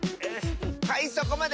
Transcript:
はいそこまで！